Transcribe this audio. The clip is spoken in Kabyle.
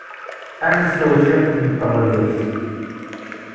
Ad nsew cwiṭ n teɣlust?